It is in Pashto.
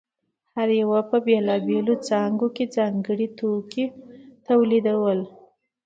هر یوه په بېلابېلو څانګو کې ځانګړی توکی تولیداوه